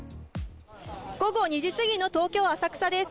午後２時過ぎの東京・浅草です。